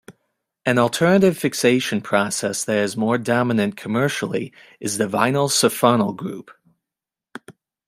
An alternative fixation process that is more dominant commercially is the vinylsulfonyl group.